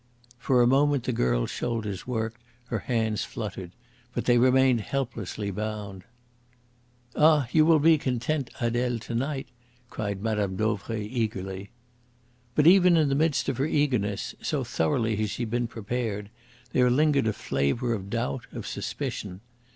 For a moment the girl's shoulders worked, her hands fluttered. But they remained helplessly bound. "Ah, you will be content, Adele, to night," cried Mme. Dauvray eagerly. But even in the midst of her eagerness so thoroughly had she been prepared there lingered a flavour of doubt, of suspicion.